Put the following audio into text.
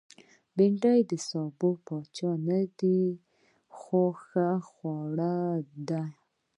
بېنډۍ د سابو پاچا نه ده، خو ښه خوړه ده